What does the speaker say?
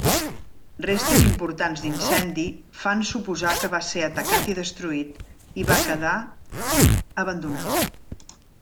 Restes importants d'incendi fan suposar que va ser atacat i destruït, i va quedar abandonat.